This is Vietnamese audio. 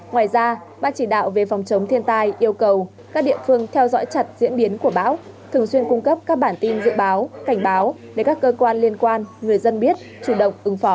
ngoài ra ban chỉ đạo về phòng chống thiên tai yêu cầu các địa phương theo dõi chặt diễn biến của bão thường xuyên cung cấp các bản tin dự báo cảnh báo để các cơ quan liên quan người dân biết chủ động ứng phó